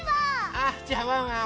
あっじゃあワンワン